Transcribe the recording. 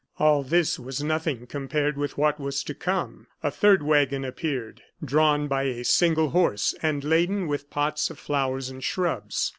All this was nothing compared with what was to come. A third wagon appeared, drawn by a single horse, and laden with pots of flowers and shrubs.